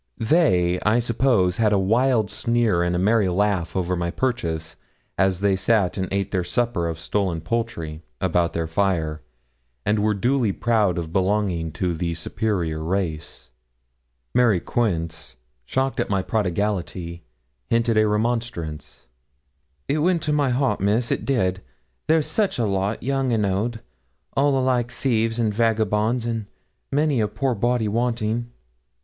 They, I suppose, had a wild sneer and a merry laugh over my purchase, as they sat and ate their supper of stolen poultry, about their fire, and were duly proud of belonging to the superior race. Mary Quince, shocked at my prodigality, hinted a remonstrance. 'It went to my heart, Miss, it did. They're such a lot, young and old, all alike thieves and vagabonds, and many a poor body wanting.'